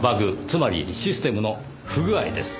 つまりシステムの不具合です。